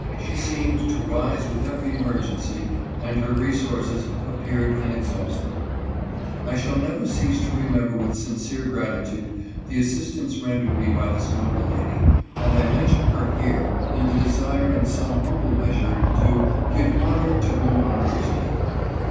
She seemed to rise with every emergency, and her resources appeared inexhaustible. I shall never cease to remember with sincere gratitude the assistance rendered me by this noble lady, and I mention her here in the desire in some NEW FRIENDS. 325 humble measure to " give honor to whom honor is due."